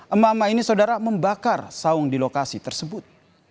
emak emak ini saudara membakar saung di lokasi tersebut